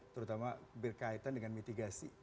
terutama berkaitan dengan mitigasi